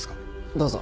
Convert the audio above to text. どうぞ。